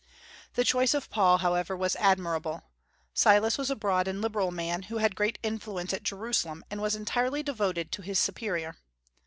The choice of Paul, however, was admirable. Silas was a broad and liberal man, who had great influence at Jerusalem, and was entirely devoted to his superior.